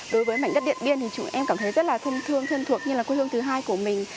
đối với mảnh đất điện biên thì chúng em cảm thấy rất là thân thương thân thuộc như là quê hương thứ hai của mình